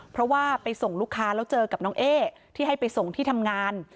เพราะว่าไปส่งลูกค้าแล้วเจอกับน้องเอ๊ที่ให้ไปส่งที่ทำงาน